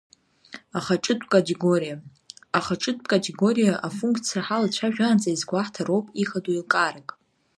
Ахаҿытәкатегориа ахаҿытә категориа афунқциа ҳалацәажәаанӡа, иазгәаҳҭароуп ихадоу еилкаарак.